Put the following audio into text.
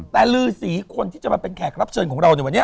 แต่ลือสีคนที่จะมาเป็นแขกรับเชิญของเราในวันนี้